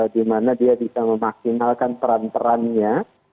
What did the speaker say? di mana dia bisa memaksimalkan peran perannya